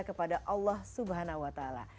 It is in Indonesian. kepada allah swt